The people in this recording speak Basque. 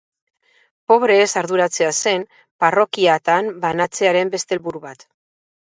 Pobreez arduratzea zen parrokiatan banatzearen beste helburu bat.